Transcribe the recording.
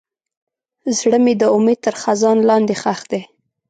زړه مې د امید تر خزان لاندې ښخ دی.